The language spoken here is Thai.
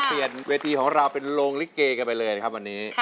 เปลี่ยนเวทีของเราเป็นโรงลิเกกันไปเลยนะครับวันนี้